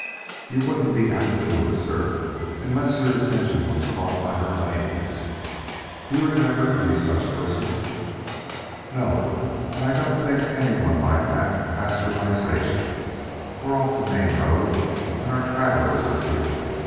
You wouldn't be apt to notice her, unless your attention was caught by her lameness. Do you remember any such person?" "No, and I don't think anyone like that passed through my station. We're off the main road, and our travelers are few.